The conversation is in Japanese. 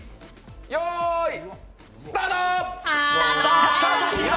よーいスタート！